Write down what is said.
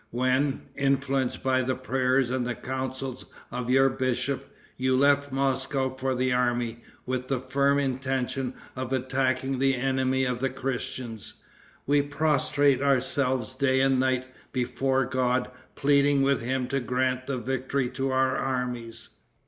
When, influenced by the prayers and the councils of your bishop, you left Moscow for the army, with the firm intention of attacking the enemy of the Christians, we prostrated ourselves day and night before God, pleading with him to grant the victory to our armies.